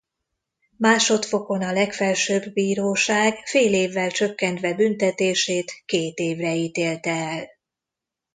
Másodfokon a Legfelsőbb Bíróság fél évvel csökkentve büntetését két évre ítélte el.